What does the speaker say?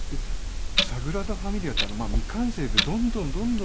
サグラダ・ファミリアって未完成でどんどんどんどん。